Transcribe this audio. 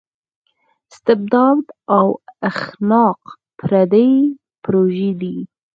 استبداد او اختناق پردۍ پروژې دي.